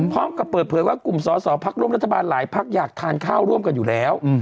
พร้อมกับเปิดเผยว่ากลุ่มสอสอพักร่วมรัฐบาลหลายพักอยากทานข้าวร่วมกันอยู่แล้ว